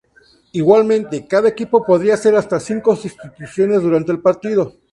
Igualmente cada equipo podrá hacer hasta cinco sustituciones durante el partido.